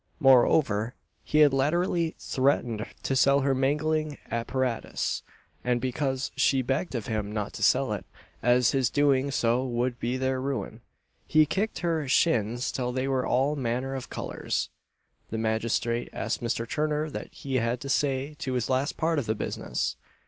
Moreover, he had latterly threatened to sell her mangling apparatus; and, because she begged of him not to sell it as his doing so would be their ruin he "kicked her shins till they were all manner of colours." The magistrate asked Mr. Turner what he had to say to this last part of the business.